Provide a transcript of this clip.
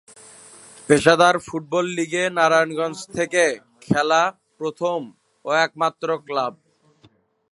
পেশাদার ফুটবল লীগে নারায়ণগঞ্জ থেকে খেলা প্রথম ও একমাত্র ক্লাব।